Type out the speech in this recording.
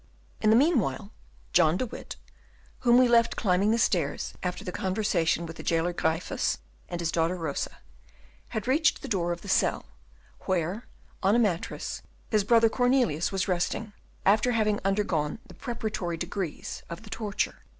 In the meanwhile, John de Witt, whom we left climbing the stairs, after the conversation with the jailer Gryphus and his daughter Rosa, had reached the door of the cell, where on a mattress his brother Cornelius was resting, after having undergone the preparatory degrees of the torture.